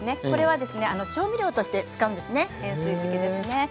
これはですね調味料として使うんですね